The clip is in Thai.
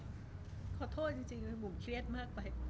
ขอโทษจริงบุ๋มเครียดมากไป